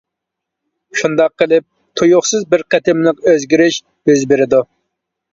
شۇنداق قىلىپ تۇيۇقسىز بىر قېتىملىق ئۆزگىرىش يۈز بېرىدۇ.